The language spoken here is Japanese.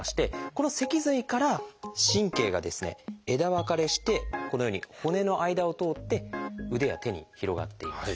この脊髄から神経がですね枝分かれしてこのように骨の間を通って腕や手に広がっています。